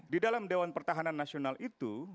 di dalam dewan pertahanan nasional itu